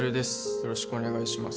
よろしくお願いします